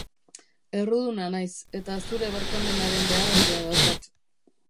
Erruduna naiz, eta zure barkamenaren behar handia daukat.